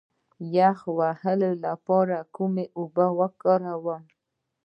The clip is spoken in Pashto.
د یخ وهلو لپاره کومې اوبه وکاروم؟